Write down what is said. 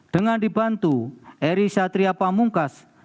dengan dibantu eri satria pamungkas